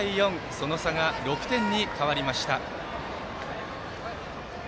その差が６点に変わりました。